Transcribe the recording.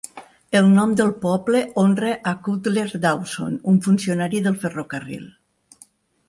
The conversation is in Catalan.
El nom del poble honra a Cutler Dawson, un funcionari del ferrocarril.